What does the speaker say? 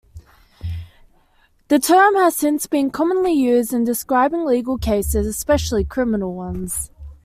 The term has since been commonly used in describing legal cases, especially criminal ones.